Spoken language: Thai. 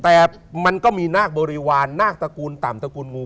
แต่มันก็มีนาคบริวารนาคตระกูลต่ำตระกูลงู